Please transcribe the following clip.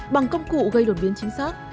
bằng công cụ gây đột biến chính xác